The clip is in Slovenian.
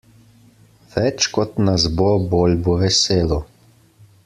Več kot nas bo, bolj bo veselo.